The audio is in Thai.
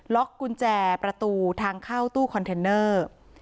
ล็อกกุญแจประตูทางเข้าตู้คอนเทนเนอร์